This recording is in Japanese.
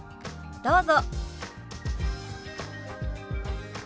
どうぞ。